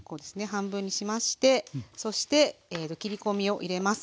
半分にしましてそして切り込みを入れます。